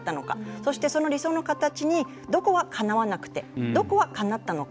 そして、その理想の形にどこはかなわなくてどこはかなったのか。